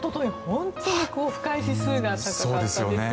本当に不快指数が高かったです。